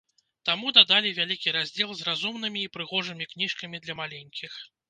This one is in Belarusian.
Таму дадалі вялікі раздзел з разумнымі і прыгожымі кніжкамі для маленькіх.